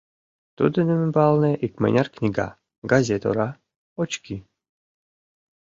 Тудын ӱмбалне икмыняр книга, газет ора, очки.